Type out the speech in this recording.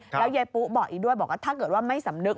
แล้วยายปุ๊บอกอีกด้วยบอกว่าถ้าเกิดว่าไม่สำนึก